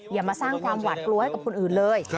อย่ามาสร้างความหวาดกลัวให้กับคนอื่นเลย